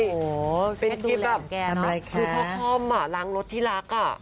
โหเป็นคลิปกับผู้เท่าข้อมล้างรถที่รักอ่ะ